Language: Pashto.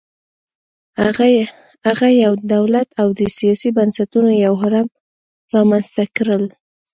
هغه یو دولت او د سیاسي بنسټونو یو هرم رامنځته کړل